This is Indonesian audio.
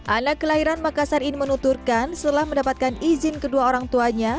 anak kelahiran makassar ini menuturkan setelah mendapatkan izin kedua orang tuanya